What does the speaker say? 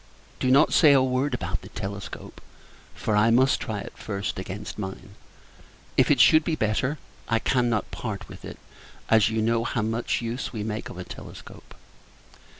Do not say a word about the telescope; for, I must try it, first, against mine. If it should be better, I cannot part with it, as you know how much use we make of a telescope.